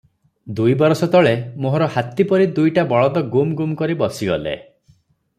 ଦୁଇବରଷ ତଳେ ମୋହର ହାତୀ ପରି ଦୁଇଟା ବଳଦ ଗୁମ୍ଗୁମ୍ କରି ବସିଗଲେ ।